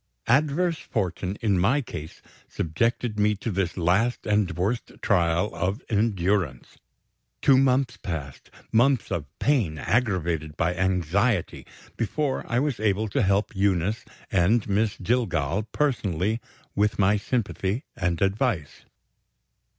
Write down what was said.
Adverse fortune, in my case, subjected me to this last and worst trial of endurance. Two months passed months of pain aggravated by anxiety before I was able to help Eunice and Miss Jillgall personally with my sympathy and advice.